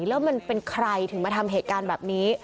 แล้วมันเป็นใครถึงมาทำเหตุการณ์แบบนี้